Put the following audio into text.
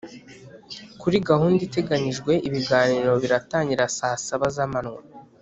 Kuri gahunda iteganyijwe ibiganiro biratangira saa saba z’amanywa